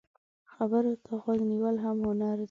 خبرو ته غوږ نیول هم هنر دی